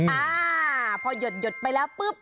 อ่าพอหยดหยดไปแล้วปุ๊บ